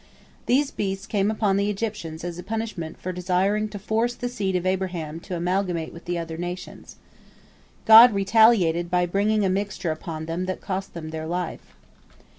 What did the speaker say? These beasts came upon the Egyptians as a punishment for desiring to force the seed of Abraham to amalgamate with the other nations. God retaliated by bringing a mixture upon them that cost them their life.